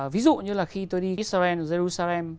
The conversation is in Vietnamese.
ví dụ như là khi tôi đi israel jerusalem